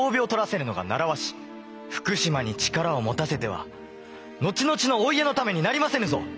福島に力を持たせては後々のお家のためになりませぬぞ！